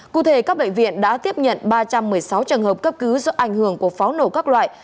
cụ thể các bệnh viện đã tiếp nhận ba trăm một mươi sáu trường hợp cấp cứu do ảnh hưởng của pháo nổ các loại